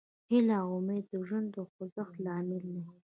هیله او امید د ژوند د خوځښت لامل دی.